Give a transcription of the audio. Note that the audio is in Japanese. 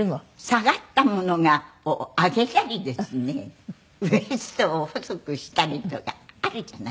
下がったものを上げたりですねウエストを細くしたりとかあるじゃない。